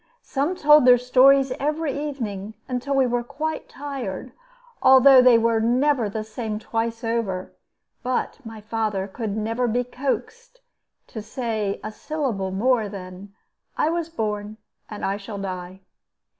Some told their stories every evening, until we were quite tired although they were never the same twice over; but my father could never be coaxed to say a syllable more than, "I was born, and I shall die."